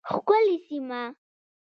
ښکلې سیمه